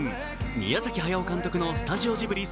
宮崎駿監督のスタジオジブリ